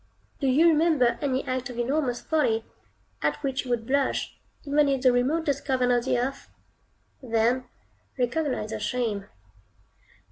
Do you remember any act of enormous folly, at which you would blush, even in the remotest cavern of the earth? Then recognize your Shame.